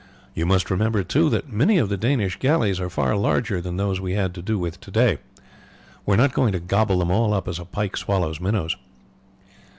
You must remember, too, that many of the Danish galleys are far larger than those we had to do with to day. We are not going to gobble them all up as a pike swallows minnows."